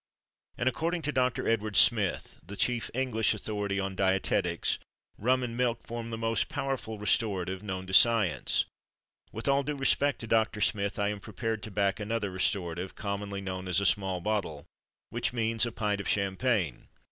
And, according to Doctor Edward Smith (the chief English authority on dietetics), rum and milk form the most powerful restorative known to science. With all due respect to Doctor Smith I am prepared to back another restorative, commonly known as "a small bottle"; which means a pint of champagne.